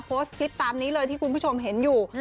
โพสต์คลิปตามนี้เลยที่คุณผู้ชมเห็นอยู่